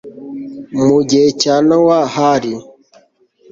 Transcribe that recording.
mu gihe cya nowa hari